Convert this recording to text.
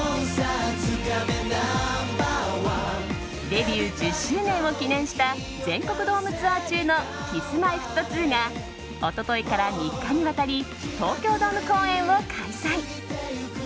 デビュー１０周年を記念した全国ドームツアー中のＫｉｓ‐Ｍｙ‐Ｆｔ２が一昨日から３日にわたり東京ドーム公演を開催。